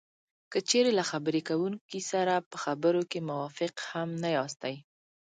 که چېرې له خبرې کوونکي سره په خبرو کې موافق هم نه یاستی